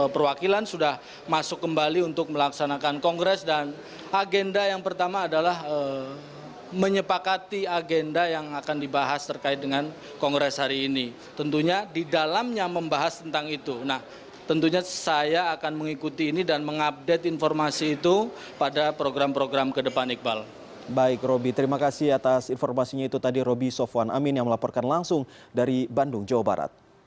bagaimana pengemanan di sana dan apa saja yang dilakukan oleh supporter persebaya di lokasi acara kongres roby